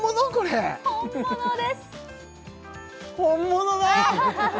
本物だ！